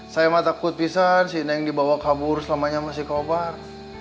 saya mah takut pisang si neng dibawa kabur selamanya masih kobar